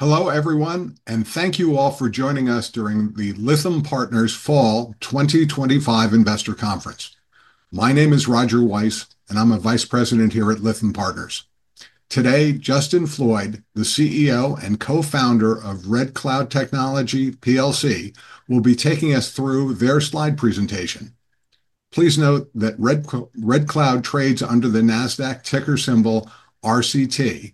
Hello everyone, and thank you all for joining us during the Lytham Partners Fall 2025 Investor Conference. My name is Roger Weiss, and I'm a Vice President here at Lytham Partners. Today, Justin Floyd, the CEO and co-founder of RedCloud Technology plc, will be taking us through their slide presentation. Please note that RedCloud trades under the NASDAQ ticker symbol RCT.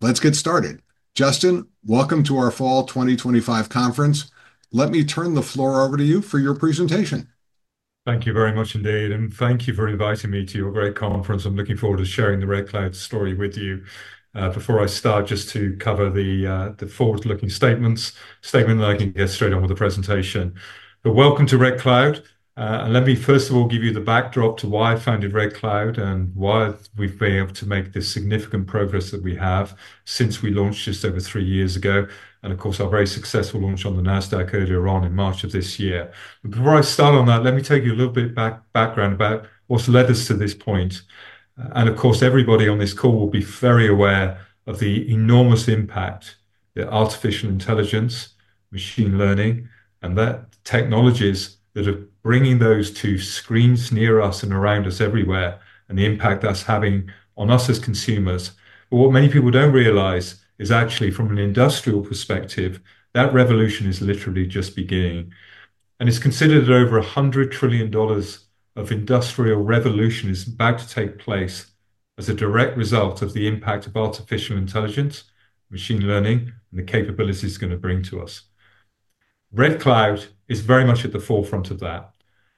Let's get started. Justin, welcome to our Fall 2025 conference. Let me turn the floor over to you for your presentation. Thank you very much indeed, and thank you for inviting me to your great conference. I'm looking forward to sharing the RedCloud story with you. Before I start, just to cover the forward-looking statements, statement that I can get straight on with the presentation. Welcome to RedCloud. Let me, first of all, give you the backdrop to why I founded RedCloud and why we've been able to make this significant progress that we have since we launched just over three years ago, and of course, our very successful launch on the NASDAQ earlier on in March of this year. Before I start on that, let me take you a little bit background about what's led us to this point. Of course, everybody on this call will be very aware of the enormous impact that artificial intelligence, machine learning, and the technologies that are bringing those to screens near us and around us everywhere, and the impact that's having on us as consumers. What many people don't realize is actually, from an industrial perspective, that revolution is literally just beginning. It's considered that over $100 trillion of industrial revolution is about to take place as a direct result of the impact of artificial intelligence, machine learning, and the capabilities it's going to bring to us. RedCloud is very much at the forefront of that.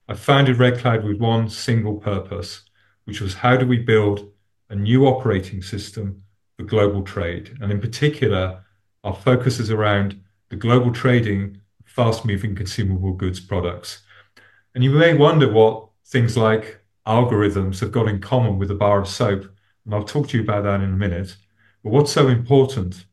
I founded RedCloud with one single purpose, which was how do we build a new operating system for global trade. In particular, our focus is around the global trading of fast-moving consumer goods products. You may wonder what things like algorithms have got in common with a bar of soap. I'll talk to you about that in a minute. What's so important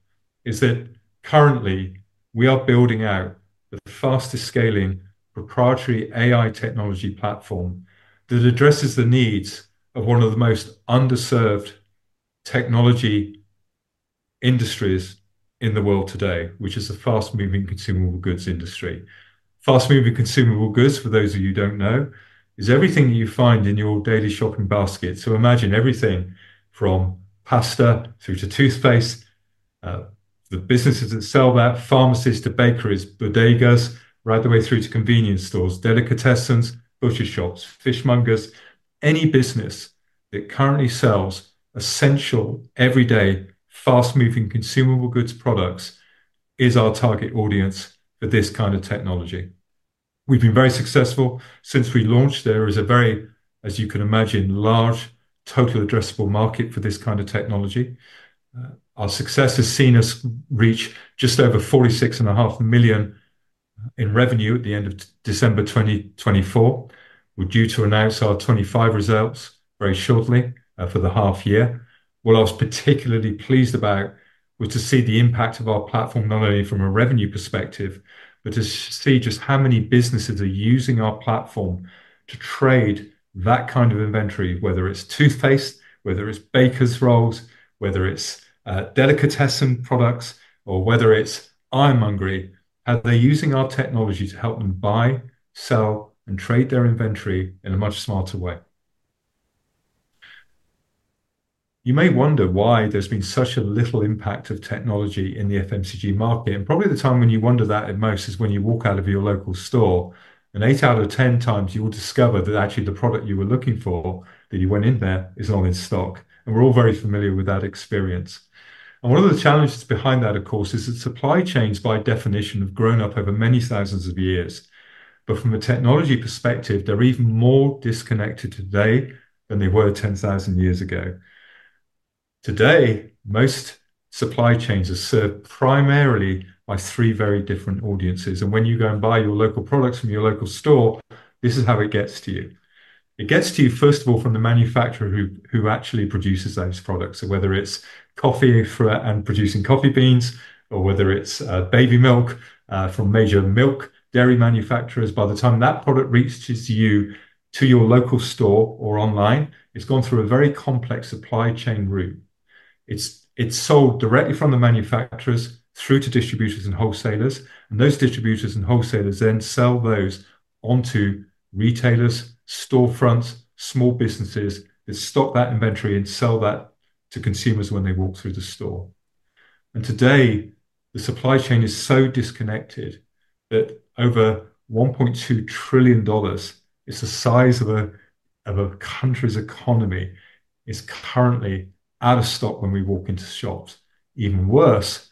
is that currently, we are building out the fastest scaling proprietary AI technology platform that addresses the needs of one of the most underserved technology industries in the world today, which is the fast-moving consumer goods industry. Fast-moving consumer goods, for those of you who don't know, is everything you find in your daily shopping basket. Imagine everything from pasta through to toothpaste, the businesses that sell that, pharmacies to bakeries, bodegas, right the way through to convenience stores, delicatessens, butcher shops, fishmongers, any business that currently sells essential, everyday, fast-moving consumer goods products is our target audience for this kind of technology. We've been very successful since we launched. There is a very, as you can imagine, large, total addressable market for this kind of technology. Our success has seen us reach just over $46.5 million in revenue at the end of December 2024. We're due to announce our 2025 results very shortly for the half year. What I was particularly pleased about was to see the impact of our platform, not only from a revenue perspective, but to see just how many businesses are using our platform to trade that kind of inventory, whether it's toothpaste, whether it's baker's rolls, whether it's delicatessen products, or whether it's ironmongery. They're using our technology to help them buy, sell, and trade their inventory in a much smarter way. You may wonder why there's been such a little impact of technology in the FMCG market. Probably the time when you wonder that most is when you walk out of your local store. Eight out of 10 times, you will discover that actually the product you were looking for, that you went in there, is not in stock. We're all very familiar with that experience. One of the challenges behind that, of course, is that supply chains, by definition, have grown up over many thousands of years. From a technology perspective, they're even more disconnected today than they were 10,000 years ago. Today, most supply chains are served primarily by three very different audiences. When you go and buy your local products from your local store, this is how it gets to you. It gets to you, first of all, from the manufacturer who actually produces those products. Whether it's coffee and producing coffee beans, or whether it's baby milk from major milk dairy manufacturers, by the time that product reaches you to your local store or online, it's gone through a very complex supply chain route. It's sold directly from the manufacturers through to distributors and wholesalers. Those distributors and wholesalers then sell those onto retailers, storefronts, small businesses that stock that inventory and sell that to consumers when they walk through the store. Today, the supply chain is so disconnected that over $1.2 trillion, it's the size of a country's economy, is currently out of stock when we walk into shops. Even worse,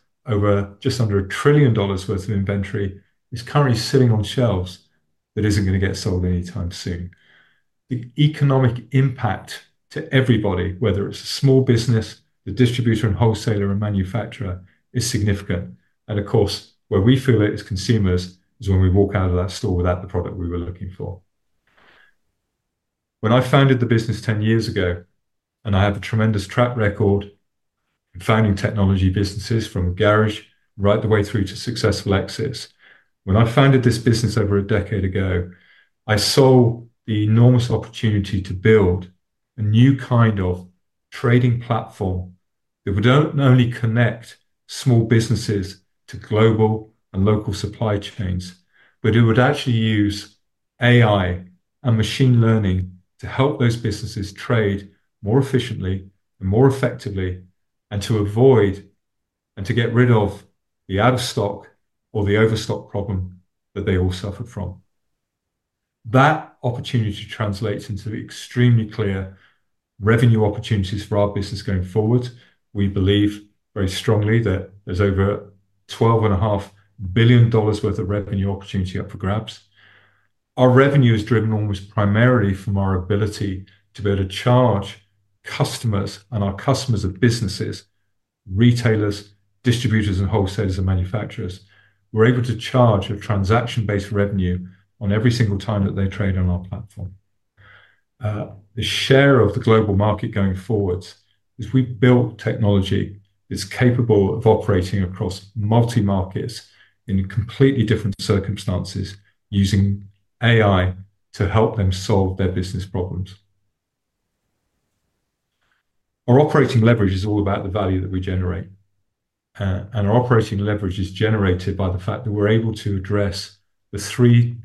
just under $1 trillion worth of inventory is currently sitting on shelves that isn't going to get sold anytime soon. The economic impact to everybody, whether it's a small business, a distributor, a wholesaler, or manufacturer, is significant. Of course, where we feel it as consumers is when we walk out of that store without the product we were looking for. When I founded the business 10 years ago, I have a tremendous track record in founding technology businesses from a garage right the way through to successful exits. When I founded this business over a decade ago, I saw the enormous opportunity to build a new kind of trading platform that would not only connect small businesses to global and local supply chains, but it would actually use AI and machine learning to help those businesses trade more efficiently and more effectively, and to avoid and to get rid of the out-of-stock or the overstock problem that they all suffer from. That opportunity translates into extremely clear revenue opportunities for our business going forward. We believe very strongly that there's over $12.5 billion worth of revenue opportunity up for grabs. Our revenue is driven almost primarily from our ability to be able to charge customers, and our customers are businesses, retailers, distributors, wholesalers, and manufacturers. We're able to charge a transaction-based revenue on every single time that they trade on our platform. The share of the global market going forward is we've built technology that's capable of operating across multi-markets in completely different circumstances, using AI to help them solve their business problems. Our operating leverage is all about the value that we generate. Our operating leverage is generated by the fact that we're able to address the three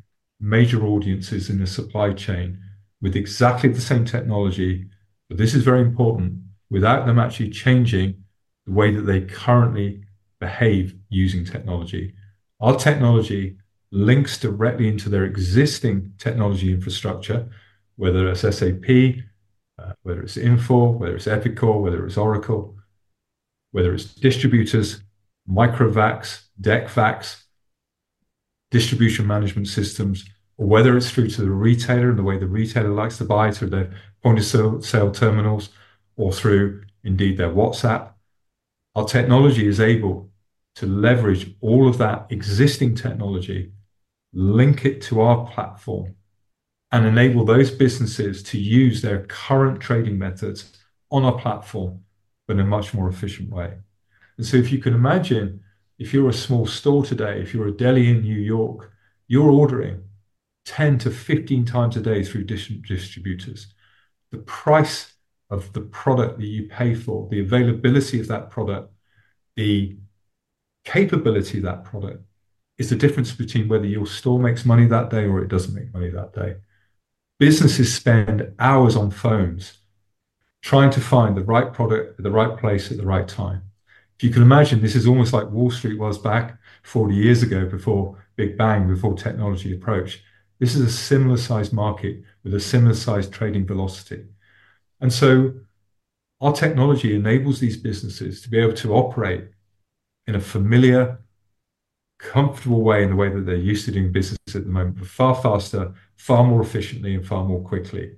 major audiences in the supply chain with exactly the same technology. This is very important. Without them actually changing the way that they currently behave using technology, our technology links directly into their existing technology infrastructure, whether it's SAP, whether it's Infor, whether it's Epicor, whether it's Oracle, whether it's distributors, MicroVax, DEC Vax, distribution management systems, or whether it's through to the retailer and the way the retailer likes to buy through their point-of-sale terminals or through indeed their WhatsApp. Our technology is able to leverage all of that existing technology, link it to our platform, and enable those businesses to use their current trading methods on our platform, but in a much more efficient way. If you can imagine, if you're a small store today, if you're a deli in New York, you're ordering 10 to 15 times a day through distributors. The price of the product that you pay for, the availability of that product, the capability of that product, is the difference between whether your store makes money that day or it doesn't make money that day. Businesses spend hours on phones trying to find the right product at the right place at the right time. If you can imagine, this is almost like Wall Street was back 40 years ago before the Big Bang, before technology approached. This is a similar size market with a similar size trading velocity. Our technology enables these businesses to be able to operate in a familiar, comfortable way in the way that they're used to doing business at the moment, but far faster, far more efficiently, and far more quickly.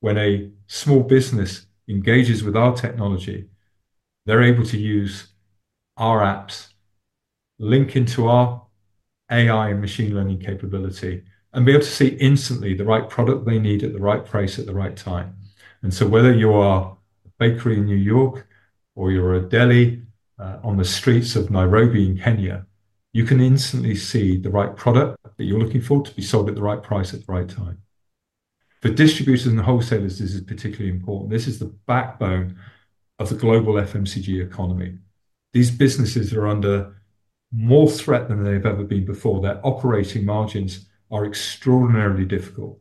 When a small business engages with our technology, they're able to use our apps, link into our AI and machine learning capability, and be able to see instantly the right product they need at the right price at the right time. Whether you are a bakery in New York or you're a deli on the streets of Nairobi in Kenya, you can instantly see the right product that you're looking for to be sold at the right price at the right time. For distributors and wholesalers, this is particularly important. This is the backbone of the global FMCG economy. These businesses are under more threat than they've ever been before. Their operating margins are extraordinarily difficult.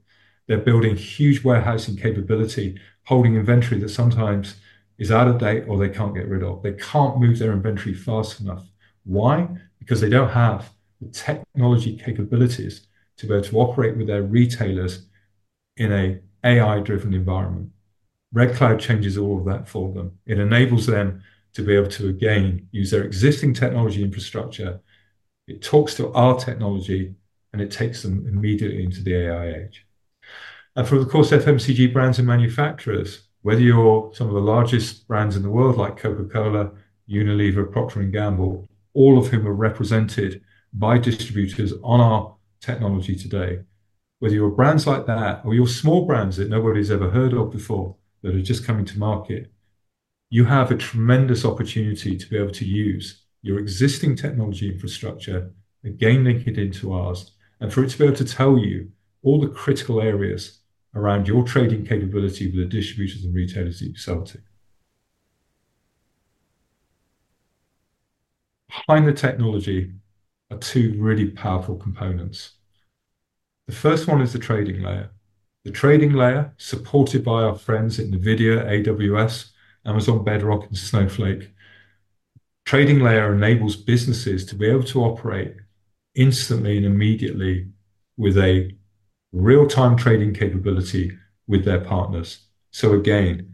They're building huge warehousing capability, holding inventory that sometimes is out of date or they can't get rid of. They can't move their inventory fast enough. Why? They don't have the technology capabilities to be able to operate with their retailers in an AI-driven environment. RedCloud changes all of that for them. It enables them to be able to, again, use their existing technology infrastructure. It talks to our technology, and it takes them immediately into the AI age. For, of course, FMCG brands and manufacturers, whether you're some of the largest brands in the world like Coca-Cola, Unilever, Procter & Gamble, all of whom are represented by distributors on our technology today, whether you're brands like that or you're small brands that nobody's ever heard of before that are just coming to market, you have a tremendous opportunity to be able to use your existing technology infrastructure, again, link it into ours, and for it to be able to tell you all the critical areas around your trading capability with the distributors and retailers you sell to. I find the technology has two really powerful components. The first one is the trading layer. The trading layer, supported by our friends at NVIDIA, AWS, Amazon Bedrock, and Snowflake, enables businesses to be able to operate instantly and immediately with a real-time trading capability with their partners. For example,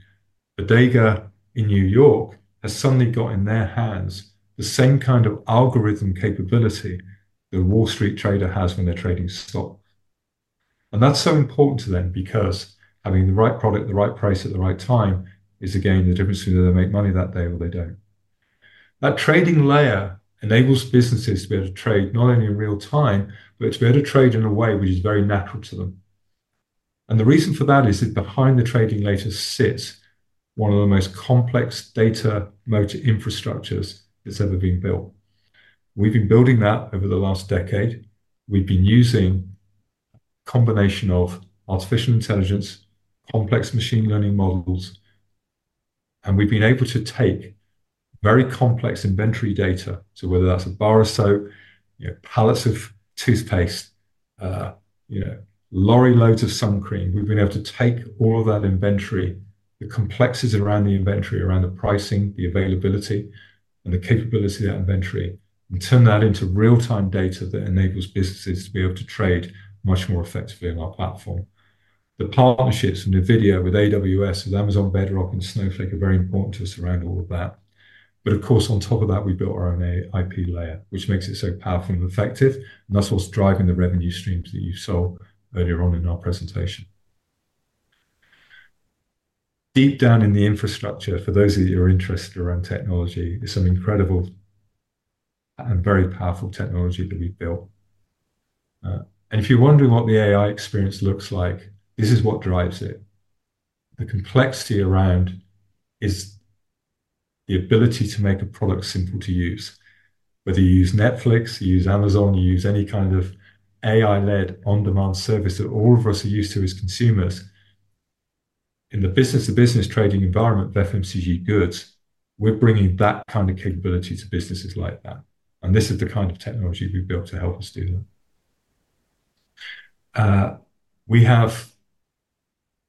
Bodega in New York has suddenly got in their hands the same kind of algorithm capability that a Wall Street trader has when they're trading stock. That's so important to them because having the right product at the right price at the right time is, again, the difference between whether they make money that day or they don't. That trading layer enables businesses to be able to trade not only in real time, but to be able to trade in a way which is very natural to them. The reason for that is that behind the trading layer sits one of the most complex data motor infrastructures that's ever been built. We've been building that over the last decade. We've been using a combination of artificial intelligence, complex machine learning models, and we've been able to take very complex inventory data. Whether that's a bar of soap, pallets of toothpaste, or lorry loads of sunscreen, we've been able to take all of that inventory, the complexities around the inventory, around the pricing, the availability, and the capability of that inventory, and turn that into real-time data that enables businesses to be able to trade much more effectively on our platform. The partnerships with NVIDIA, AWS, Amazon Bedrock, and Snowflake are very important to us around all of that. Of course, on top of that, we built our own IP layer, which makes it so powerful and effective. That's what's driving the revenue streams that you saw earlier on in our presentation. Deep down in the infrastructure, for those of you who are interested around technology, is some incredible and very powerful technology that we've built. If you're wondering what the AI experience looks like, this is what drives it. The complexity around it is the ability to make a product simple to use. Whether you use Netflix, you use Amazon, you use any kind of AI-led on-demand service that all of us are used to as consumers, in the business-to-business trading environment of FMCG goods, we're bringing that kind of capability to businesses like that. This is the kind of technology we built to help us do that. We have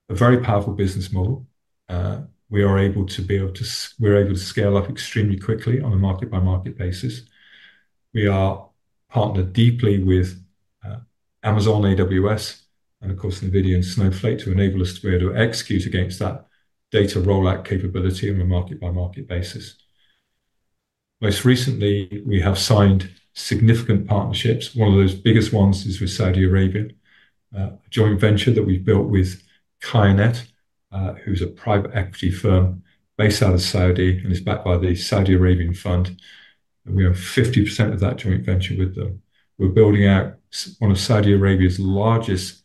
a very powerful business model. We are able to scale up extremely quickly on a market-by-market basis. We are partnered deeply with Amazon AWS, and of course, NVIDIA and Snowflake to enable us to execute against that data rollout capability on a market-by-market basis. Most recently, we have signed significant partnerships. One of those biggest ones is with Saudi Arabia, a joint venture that we've built with Kayanee, who is a private equity firm based out of Saudi and is backed by the Saudi Arabian Fund. We have 50% of that joint venture with them. We're building out one of Saudi Arabia's largest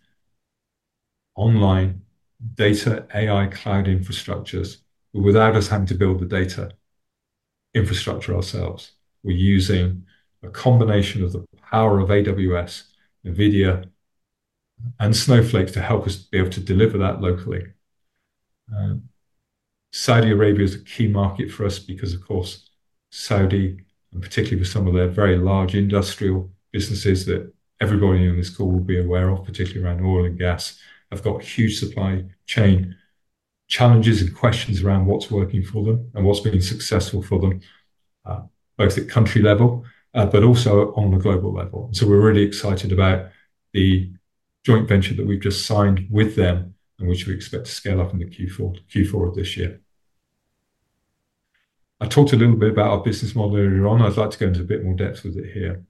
online data AI cloud infrastructures, but without us having to build the data infrastructure ourselves. We're using a combination of the power of AWS, NVIDIA, and Snowflake to help us deliver that locally. Saudi Arabia is a key market for us because, of course, Saudi, and particularly with some of their very large industrial businesses that everybody in this call will be aware of, particularly around oil and gas, have got huge supply chain challenges and questions around what's working for them and what's been successful for them, both at country level, but also on a global level. We're really excited about the joint venture that we've just signed with them, which we expect to scale up in Q4 of this year. I talked a little bit about our business model earlier on. I'd like to go into a bit more depth with it here.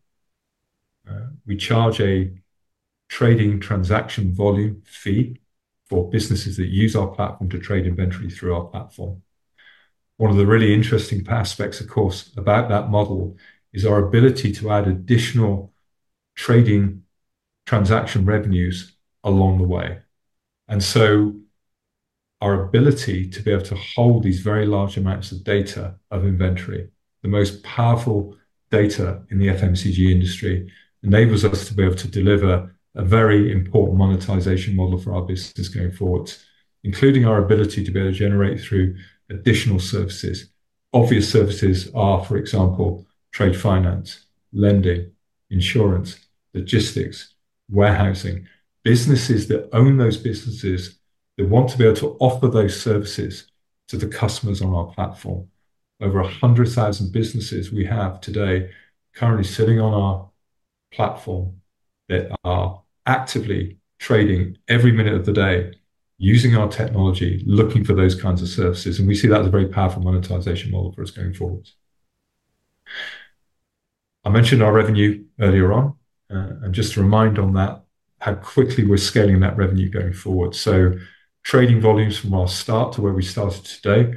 We charge a trading transaction volume fee for businesses that use our platform to trade inventory through our platform. One of the really interesting aspects, of course, about that model is our ability to add additional trading transaction revenues along the way. Our ability to be able to hold these very large amounts of data of inventory, the most powerful data in the FMCG industry, enables us to be able to deliver a very important monetization model for our business going forward, including our ability to be able to generate through additional services. Obvious services are, for example, trade finance, lending, insurance, logistics, warehousing. Businesses that own those businesses that want to be able to offer those services to the customers on our platform. Over 100,000 businesses we have today currently sitting on our platform that are actively trading every minute of the day, using our technology, looking for those kinds of services. We see that as a very powerful monetization model for us going forward. I mentioned our revenue earlier on. Just to remind on that, how quickly we're scaling that revenue going forward. Trading volumes from our start to where we started today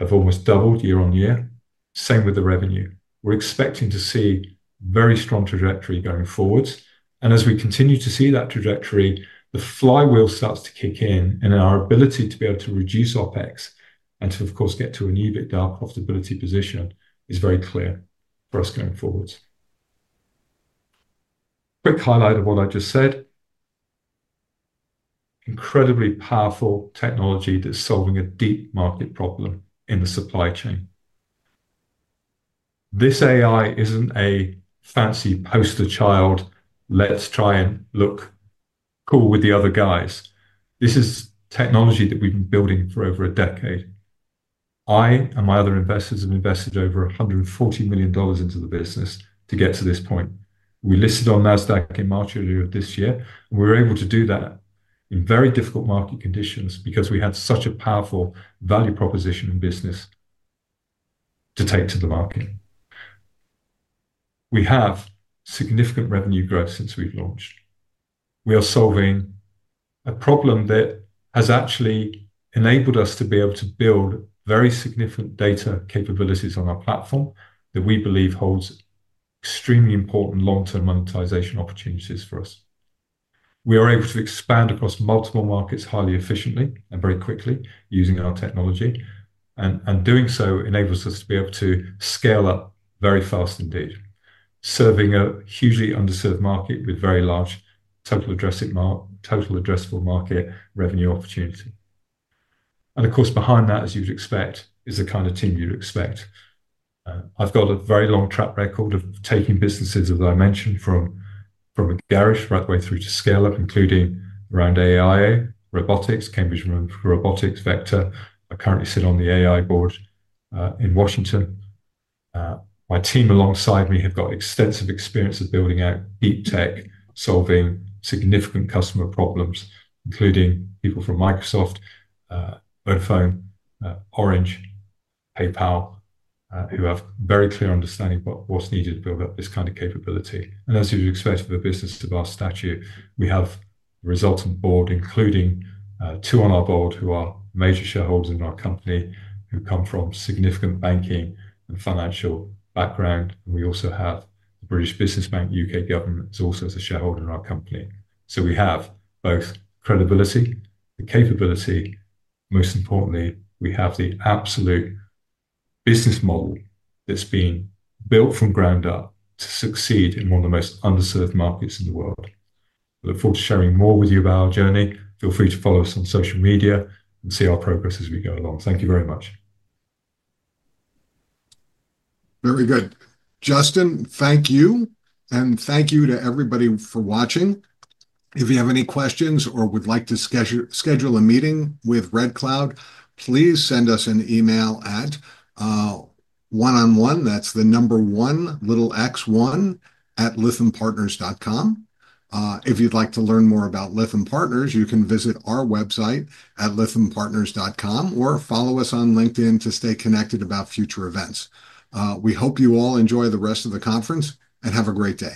have almost doubled year on year. Same with the revenue. We're expecting to see a very strong trajectory going forward. As we continue to see that trajectory, the flywheel starts to kick in, and our ability to be able to reduce OpEx and to, of course, get to an EBITDA profitability position is very clear for us going forward. Quick highlight of what I just said. Incredibly powerful technology that's solving a deep market problem in the supply chain. This AI isn't a fancy poster child. Let's try and look cool with the other guys. This is technology that we've been building for over a decade. I and my other investors have invested over $140 million into the business to get to this point. We listed on NASDAQ in March earlier this year. We were able to do that in very difficult market conditions because we had such a powerful value proposition in business to take to the market. We have significant revenue growth since we've launched. We are solving a problem that has actually enabled us to be able to build very significant data capabilities on our platform that we believe holds extremely important long-term monetization opportunities for us. We are able to expand across multiple markets highly efficiently and very quickly using our technology. Doing so enables us to be able to scale up very fast indeed, serving a hugely underserved market with very large total addressable market revenue opportunity. Of course, behind that, as you would expect, is the kind of team you'd expect. I've got a very long track record of taking businesses, as I mentioned, from a garage right the way through to scale up, including around AI, robotics, Cambridge Room Robotics, Vector. I currently sit on the AI board in Washington. My team alongside me have got extensive experience of building out deep tech, solving significant customer problems, including people from Microsoft, iPhone, Orange, PayPal, who have a very clear understanding of what's needed to build up this kind of capability. As you'd expect for a business of our stature, we have a resultant board, including two on our board who are major shareholders in our company, who come from significant banking and financial background. We also have the British Business Bank UK Government, who also is a shareholder in our company. We have both credibility, the capability, most importantly, we have the absolute business model that's been built from ground up to succeed in one of the most underserved markets in the world. I look forward to sharing more with you about our journey. Feel free to follow us on social media and see our progress as we go along. Thank you very much. Very good. Justin, thank you. Thank you to everybody for watching. If you have any questions or would like to schedule a meeting with RedCloud, please send us an email at 1on1. That's the number 1, little x, 1 at lithiumpartners.com. If you'd like to learn more about Lithium Partners, you can visit our website at lithiumpartners.com or follow us on LinkedIn to stay connected about future events. We hope you all enjoy the rest of the conference and have a great day.